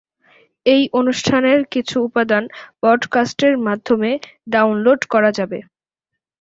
এই অনুষ্ঠানের কিছু উপাদান পডকাস্টের মাধ্যমে ডাউনলোড করা যাবে।